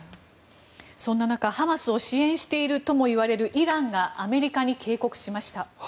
そんな中、ハマスを支援しているともいわれるイランがアメリカに警告しました。